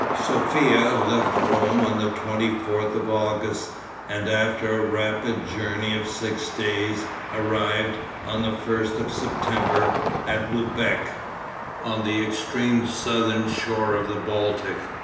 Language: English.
Sophia left Rome on the 24th of August, and after a rapid journey of six days, arrived, on the 1st of September, at Lubec, on the extreme southern shore of the Baltic.